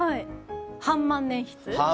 半万年筆？